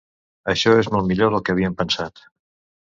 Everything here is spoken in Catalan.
Això és molt millor del que havíem pensat.